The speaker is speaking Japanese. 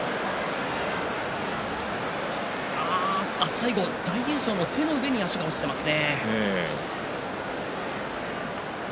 最後大栄翔の手の上に霧馬山の足が落ちていますね。